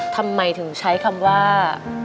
ทำไมถึงใช้คำว่า